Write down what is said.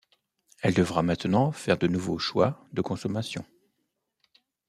Elle devra maintenant faire de nouveaux choix de consommation.